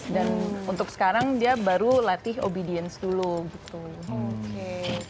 dan untuk sekarang dia baru latih obedience dulu gitu